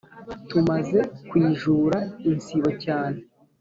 Tumaze kwijura insibo cyane